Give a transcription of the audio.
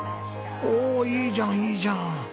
おおいいじゃんいいじゃん！